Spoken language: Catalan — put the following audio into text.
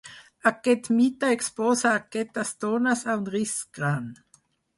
Aquest mite exposa a aquestes dones a un risc gran.